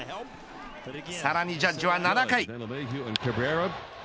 さらにジャッジは７回。